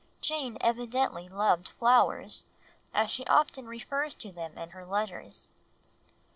Jane evidently loved flowers, as she often refers to them in her letters.